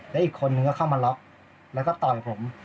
และอีกคนนึงก็เข้ามาล็อกแล้วก็ต่อยผม